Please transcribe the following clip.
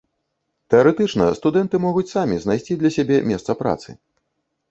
Тэарэтычна студэнты могуць самі знайсці для сябе месца працы.